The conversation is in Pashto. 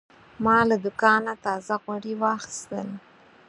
ما له دوکانه تازه غوړي واخیستل.